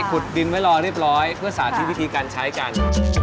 ขุดดินไว้รอเรียบร้อยเพื่อสาธิตวิธีการใช้กัน